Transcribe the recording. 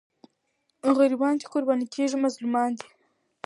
غریبان چې قرباني کېږي، مظلومان دي.